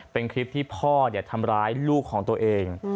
เป็นคลิปที่พ่อทำร้ายลูกของตัวเอง